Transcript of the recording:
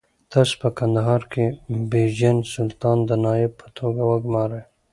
تاسو په کندهار کې بېجن سلطان د نایب په توګه وګمارئ.